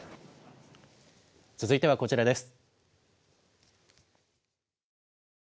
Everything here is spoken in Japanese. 続いてはこちらです。